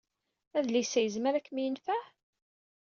Adlis-a yezmer ad kem-yenfeɛ?